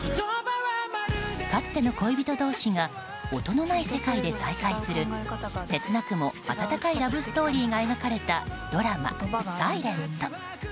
かつての恋人同士が音のない世界で再会する切なくも温かいラブストーリーが描かれたドラマ「ｓｉｌｅｎｔ」。